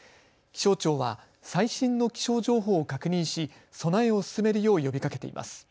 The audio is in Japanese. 気象庁は最新の気象情報を確認し備えを進めるよう呼びかけています。